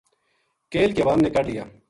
کیل کی عوام نے کڈھ لیا